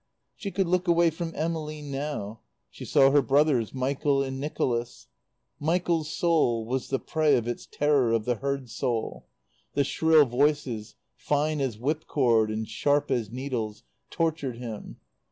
She could look away from Emmeline now. She saw her brothers, Michael and Nicholas. Michael's soul was the prey of its terror of the herd soul. The shrill voices, fine as whipcord and sharp as needles, tortured him.